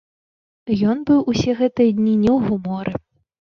І ён быў усе гэтыя дні не ў гуморы.